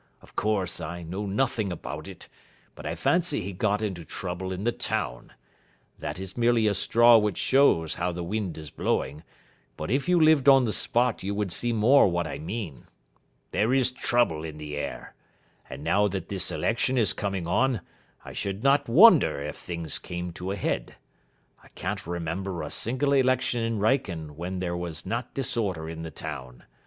Of course, I know nothing about it, but I fancy he got into trouble in the town. That is merely a straw which shows how the wind is blowing, but if you lived on the spot you would see more what I mean. There is trouble in the air. And now that this election is coming on, I should not wonder if things came to a head. I can't remember a single election in Wrykyn when there was not disorder in the town.